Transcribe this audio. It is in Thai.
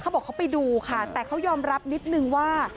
บอกเขาไปดูค่ะแต่เขายอมรับนิดนึงว่า